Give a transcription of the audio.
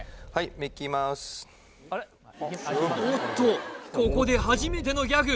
おっとここで初めてのギャグ